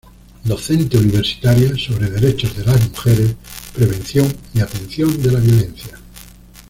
Docente universitaria sobre Derechos de las Mujeres, prevención y atención de la violencia.